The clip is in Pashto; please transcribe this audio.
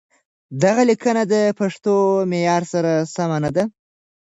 دغه ليکنه د پښتو معيار سره سمه نه ده.